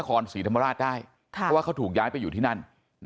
นครศรีธรรมราชได้เพราะว่าเขาถูกย้ายไปอยู่ที่นั่น